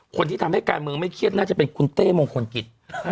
คนที่ทำให้การเมืองไม่เครียดน่าจะเป็นคุณเต้มงคลกิจ